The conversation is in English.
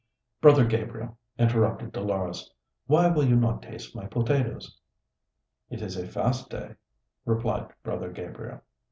"Brother Gabriel," interrupted Dolores, "why will you not taste my potatoes?" "It is a fast day," replied Brother Gabriel.